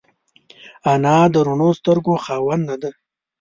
انا د روڼو سترګو خاوند ده